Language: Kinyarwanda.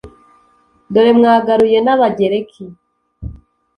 dore mwagaruye n’Abagereki,